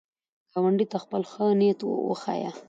ګاونډي ته خپل ښه نیت وښیه